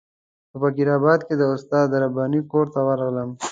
په فقیر آباد کې د استاد رباني کور ته ورغلم.